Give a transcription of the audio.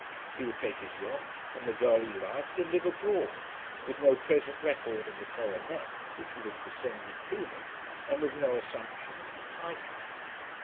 He would take his yacht, and the girl he loved, and live abroad, with no present record of the coronet which would have descended to him, and with no assumption of the title.